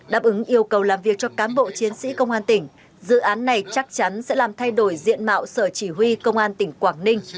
đáp ứng yêu cầu làm việc cho cám bộ chiến sĩ công an tỉnh dự án này chắc chắn sẽ làm thay đổi diện mạo sở chỉ huy công an tỉnh quảng ninh